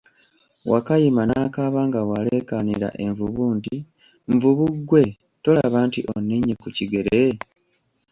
Wakayima n'akaaba nga bw'alekaanira envubu nti, nvubu gwe, tolaba nti onninye ku kigere?